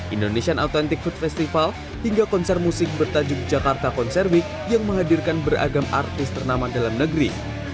indonesian autontic food festival hingga konser musik bertajuk jakarta concer week yang menghadirkan beragam artis ternama dalam negeri